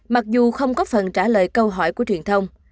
mặc dù không có phần trả lời câu hỏi của truyền thông